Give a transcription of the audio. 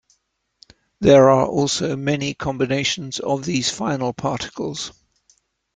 There are also many combinations of these final particles.